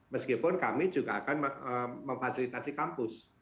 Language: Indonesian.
meskipun kami juga akan memfasilitasi kampus